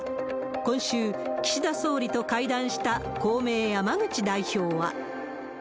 今週、岸田総理と会談した公明、山口代表は。